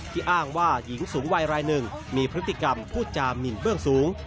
อ้างว่าหญิงสูงวัยรายหนึ่งมีพฤติกรรมพูดจามินเบื้องสูง